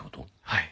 はい。